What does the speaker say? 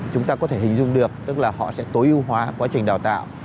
chúng ta có thể hình dung được tức là họ sẽ tối ưu hóa quá trình đào tạo